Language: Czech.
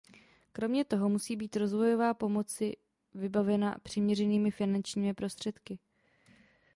Kromě toho musí být rozvojová pomoci vybavena přiměřenými finančními prostředky.